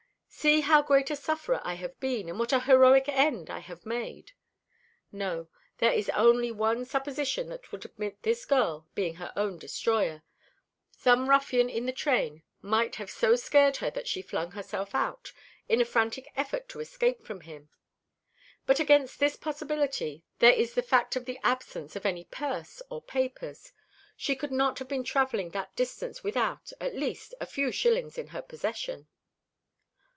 'See how great a sufferer I have been, and what a heroic end I have made.' No, there is only one supposition that would admit this girl being her own destroyer. Some ruffian in the train might have so scared her that she flung herself out, in a frantic effort to escape from him. But against this possibility there is the fact of the absence of any purse or papers. She could not have been travelling that distance without, at least, a few shillings in her possession."